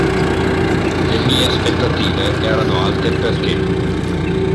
Le mie aspettative erano alte perché.